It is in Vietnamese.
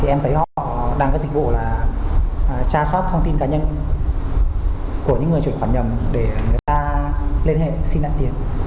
em thấy họ đang có dịch vụ là trao sót thông tin cá nhân của những người truyền khoản nhầm để người ta liên hệ xin đặt tiền